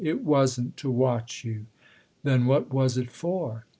It wasn't to watch you." " Then what was it for